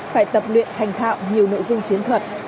phải tập luyện thành thạo nhiều nội dung chiến thuật